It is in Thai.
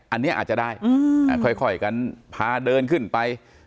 อันนี้อาจจะได้ค่อยกันพาเดินขึ้นไป